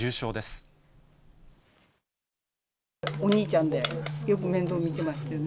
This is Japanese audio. また、お兄ちゃんで、よく面倒見てましたよね。